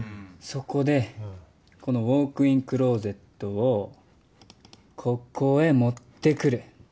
そこでこのウオークインクローゼットをここへ持ってくる。